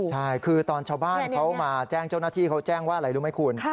ใช่คือตอนชาวบ้านเขามาแจ้งเจ้าหน้าที่เขาแจ้งว่าอะไรรู้ไหมคุณ